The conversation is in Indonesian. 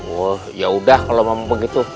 wah yaudah kalau memang begitu